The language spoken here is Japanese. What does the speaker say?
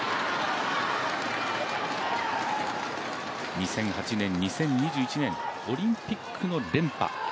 ２００８年、２０２１年、オリンピックの連覇。